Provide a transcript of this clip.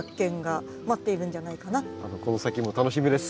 この先も楽しみです。